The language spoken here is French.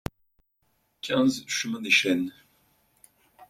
quinze chemin Dès Chênes